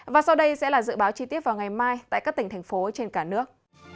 và sau đây sẽ là dự báo chi tiết vào ngày mai tại các tỉnh thành phố trên cả nước